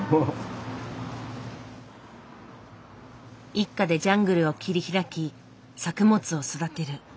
一家でジャングルを切り開き作物を育てる。